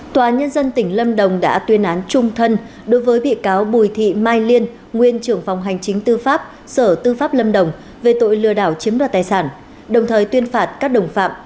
tòa nhân dân tỉnh lâm đồng đã tuyên án trung thân đối với bị cáo bùi thị mai liên nguyên trưởng phòng hành chính tư pháp sở tư pháp lâm đồng về tội lừa đảo chiếm đoạt tài sản đồng thời tuyên phạt các đồng phạm